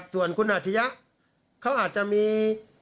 ส่วนคุณอาชญะเขาอาจจะมี